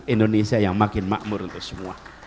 indonesia yang makin makmur untuk semua